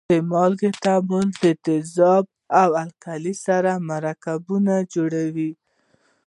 د مالګې تعامل د تیزابو او القلیو سره مرکبونه جوړوي.